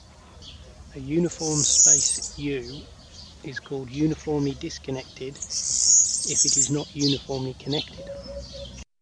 A uniform space "U" is called uniformly disconnected if it is not uniformly connected.